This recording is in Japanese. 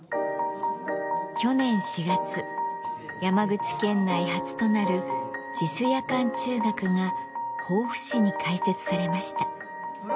去年４月山口県内初となる自主夜間中学が防府市に開設されました。